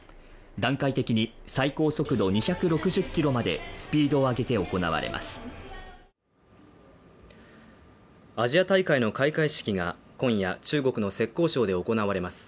段階的に最高速度２６０キロまでスピードを上げて行われますアジア大会の開会式が今夜中国の浙江省で行われます